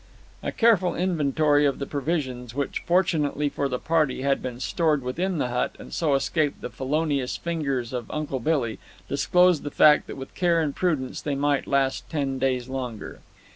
A careful inventory of the provisions, which, fortunately for the party, had been stored within the hut and so escaped the felonious fingers of Uncle Billy, disclosed the fact that with care and prudence they might last ten days longer.